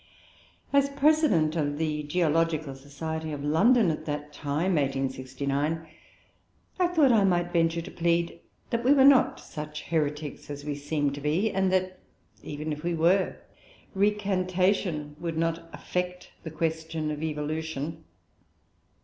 As President of the Geological Society of London at that time (1869), I thought I might venture to plead that we were not such heretics as we seemed to be; and that, even if we were, recantation would not affect the question of evolution.